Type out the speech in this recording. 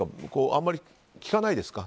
あんまり聞かないですか